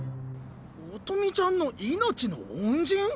音美ちゃんの命の恩人！？